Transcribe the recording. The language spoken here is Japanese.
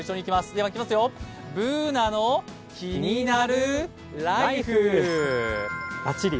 ではいきますよ、「ＢｏｏｎａのキニナルＬＩＦＥ」！